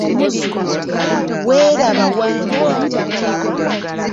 Weeraba Wambwa.